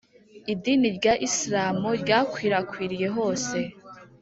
idini rya isilamu ryakwirakwiriye hose